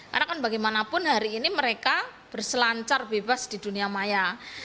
karena kan bagaimanapun hari ini mereka berselancar bebas di dunia maya